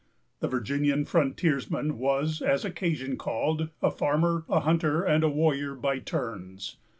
The Virginian frontiersman was, as occasion called, a farmer, a hunter, and a warrior, by turns.